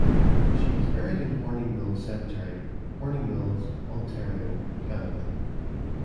She is buried in Hornings Mills Cemetery, Horning's Mills, Ontario, Canada.